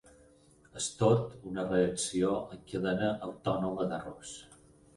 És tot una reacció en cadena autònoma d'errors!